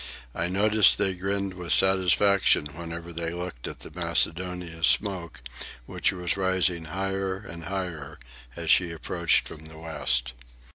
I noticed they grinned with satisfaction whenever they looked at the Macedonia's smoke, which was rising higher and higher as she approached from the west.